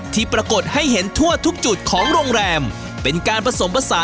ที่ปรากฏให้เห็นทั่วทุกจุดของโรงแรมเป็นการผสมภาษา